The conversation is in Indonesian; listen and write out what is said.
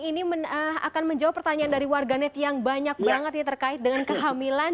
ini akan menjawab pertanyaan dari warganet yang banyak banget ya terkait dengan kehamilan